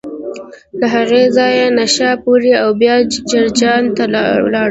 له هغه ځایه نشاپور او بیا جرجان ته ولاړ.